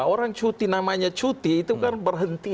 orang cuti namanya cuti itu kan berhenti